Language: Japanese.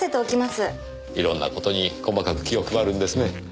いろんな事に細かく気を配るんですね。